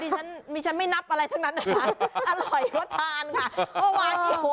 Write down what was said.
เย้นี่ชั้นไม่นับอะไรทั้งนั้นอ่ะค่ะ